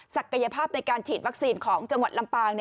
ศักยภาพในการฉีดวัคซีนของจังหวัดลำปาง